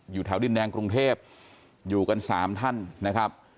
อยู่แถวดินแดงกรุงเทพอยู่กัน๓ท่านนะครับ